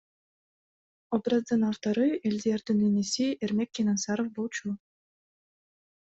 Образдын автору Элдиярдын иниси Эрмек Кененсаров болчу.